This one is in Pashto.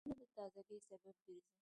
• ونه د تازهګۍ سبب ګرځي.